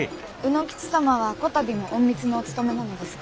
卯之吉様はこたびも隠密のお務めなのですか？